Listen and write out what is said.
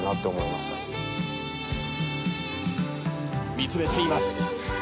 見つめています。